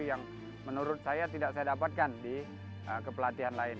yang menurut saya tidak saya dapatkan di kepelatihan lain